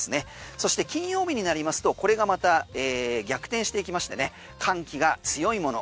そして金曜日になりますとこれがまた逆転していきましてね寒気が強いもの